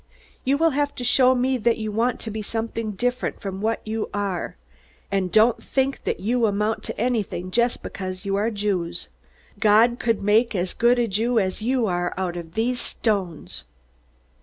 You will have to show me that you want to be something different from what you are! And don't think that you amount to anything just because you are Jews. God could make as good Jews as you are out of these stones."